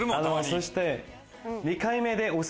そして。